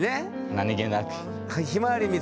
何気なく。